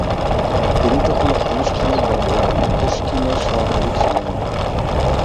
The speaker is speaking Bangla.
তিনি তখনো আনুষ্ঠানিকভাবে পুশকিনের সহকারী ছিলেন না।